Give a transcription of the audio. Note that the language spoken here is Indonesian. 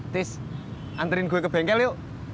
terus anterin gue ke bengkel yuk